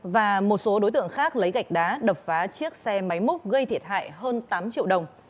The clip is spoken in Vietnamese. và một số đối tượng khác lấy gạch đá đập phá chiếc xe máy múc gây thiệt hại hơn tám triệu đồng